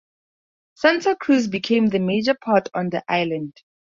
Santa Cruz became the major port on the Island.